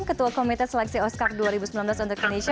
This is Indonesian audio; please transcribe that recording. ketua komite seleksi oscar dua ribu sembilan belas untuk indonesia